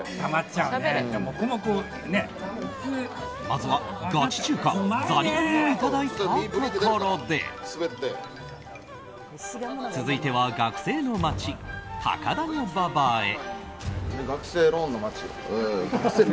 まずはガチ中華ザリガニをいただいたところで続いては学生の街、高田馬場へ。